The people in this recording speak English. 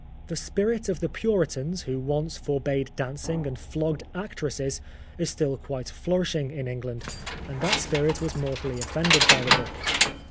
The spirit of the Puritans, who once forbade dancing and flogged actresses, is still quite flourishing in England, and that spirit was mortally offended by the book.